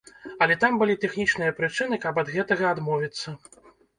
Але там былі тэхнічныя прычыны, каб ад гэтага адмовіцца.